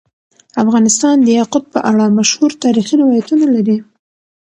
افغانستان د یاقوت په اړه مشهور تاریخی روایتونه لري.